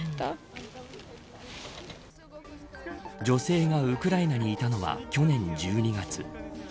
女性がウクライナにいたのは去年１２月。